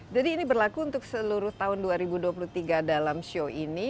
jadi ini berlaku untuk seluruh tahun dua ribu dua puluh tiga dalam show ini